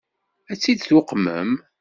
Ad tt-id-tuqmem?